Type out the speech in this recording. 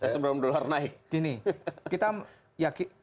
sebelum dolar naik